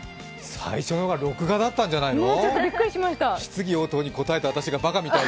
最初の録画だったんじゃないの？